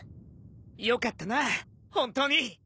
よかったな本当に。